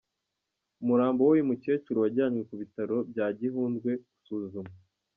Umurambo w’uyu mukecuru wajyanywe ku bitaro bya Gihundwe gusuzumwa.